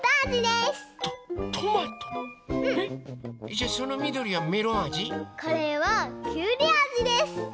じゃあそのみどりはメロンあじ？これはきゅうりあじです！